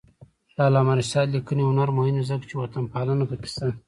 د علامه رشاد لیکنی هنر مهم دی ځکه چې وطنپالنه پکې شته.